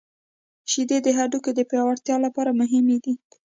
• شیدې د هډوکو د پیاوړتیا لپاره مهمې دي.